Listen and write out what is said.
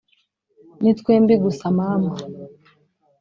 ni twembi gusa, mama